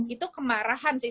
itu kemarahan sih